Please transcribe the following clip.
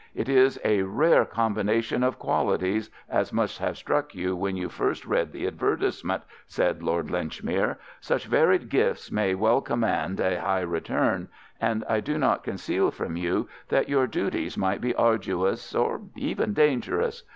"It is a rare combination of qualities, as must have struck you when you first read the advertisement," said Lord Linchmere; "such varied gifts may well command a high return, and I do not conceal from you that your duties might be arduous or even dangerous.